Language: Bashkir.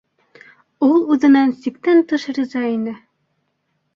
Ул үҙенән сиктән тыш риза ине.